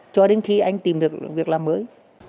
cho đến khi anh tìm được việc làm mới